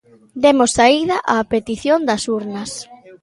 Demos saída á petición das urnas.